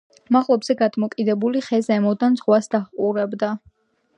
მაღლობზე გადმოკიდებული ხე ზემოდან ზღვას დაჰყურებდა.